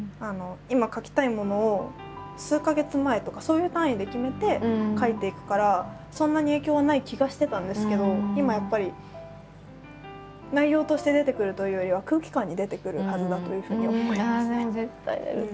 今書きたいものを数か月前とかそういう単位で決めて書いていくからそんなに影響はない気がしてたんですけど今やっぱり内容として出てくるというよりはああでも絶対出ると思う。